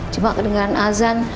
cuma kedengaran azan